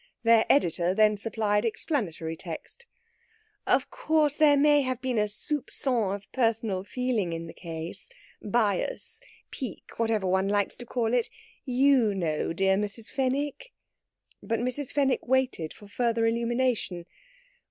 Their editor then supplied explanatory text: "Of course there may have been a soupçon of personal feeling in the case bias, pique, whatever one likes to call it. You know, dear Mrs. Fenwick?" But Mrs. Fenwick waited for further illumination.